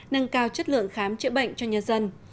nâng cao chất lượng khám chữa bệnh cho nhân dân